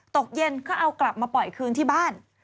ตกเย็นก็เอากลับมาปล่อยคืนที่บ้าน